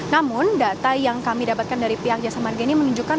namun data yang kami dapatkan dari pihak jasa marga ini menunjukkan